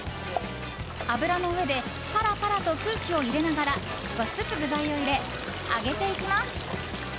油の上でパラパラと空気を入れながら少しずつ具材を入れ揚げていきます。